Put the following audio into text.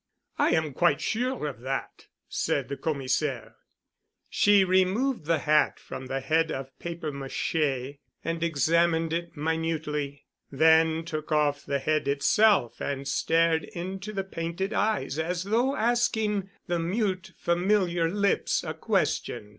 "I am quite sure of that," said the Commissaire. She removed the hat from the head of papier maché and examined it minutely, then took off the head itself and stared into the painted eyes as though asking the mute familiar lips a question.